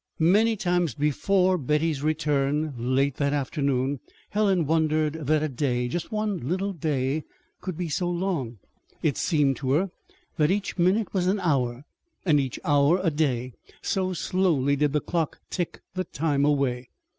Many times before Betty's return late that afternoon, Helen wondered that a day, just one little day, could be so long. It seemed to her that each minute was an hour, and each hour a day, so slowly did the clock tick the time away.